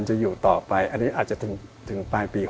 จะอยู่ต่อไปอันนี้อาจจะถึงปลายปี๖๐